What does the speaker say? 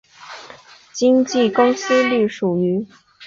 经纪公司隶属于。